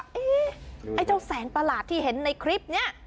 ไอ้เจ้าแสงประหลาดที่เห็นในคลิปนี้